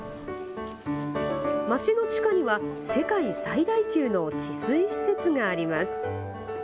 街の地下には世界最大級の治水施設があります。